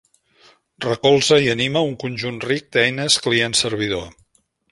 Recolza i anima un conjunt ric d'eines client-servidor.